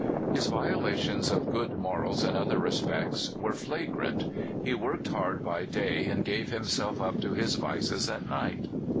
His violations of good morals in other respects were flagrant. He worked hard by day, and gave himself up to his vices at night.